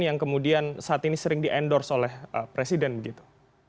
yang kemudian saat ini sering di endorse oleh presiden begitu